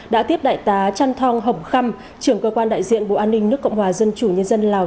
đã tiếp đại tá trăn thong hồng khăm trưởng cơ quan đại diện bộ an ninh nước cộng hòa dân chủ nhân dân lào